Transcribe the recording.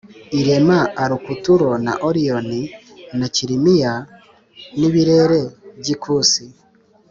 irema arukuturo na oriyoni na kilimiya, n’ibirere by’ikusi